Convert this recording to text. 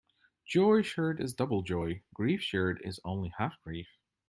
Joy shared is double joy; grief shared is only half grief.